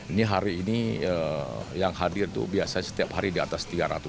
ini hari ini yang hadir itu biasanya setiap hari di atas tiga ratus